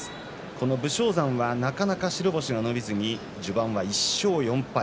この武将山はなかなか白星が伸びずに序盤は１勝４敗。